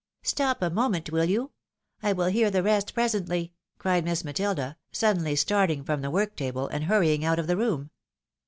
"" Stop a moment, will you ! I will hear the rest presently," cried Miss Matilda, suddeidy starting from the work table, and hurrying out of the room.